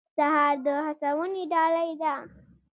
سهار د هڅونې ډالۍ ده.